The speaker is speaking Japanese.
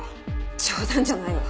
冗談じゃないわ。